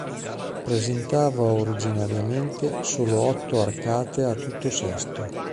Presentava originariamente solo otto arcate a tutto sesto.